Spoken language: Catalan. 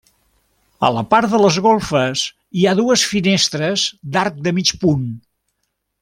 A la part de les golfes hi ha dues finestres d'arc de mig punt.